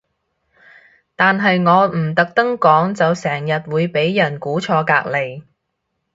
但係我唔特登講就成日會俾人估錯隔離